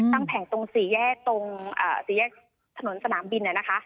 ตั้งแผงตรง๔แยกตรง๔แยกถนนสนามบินเนี่ยนะคะ